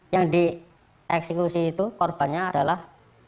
yang dieksekusi itu korbannya adalah